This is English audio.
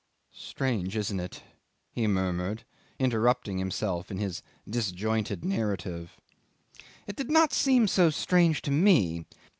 "Strange, isn't it?" he murmured, interrupting himself in his disjointed narrative. 'It did not seem so strange to me.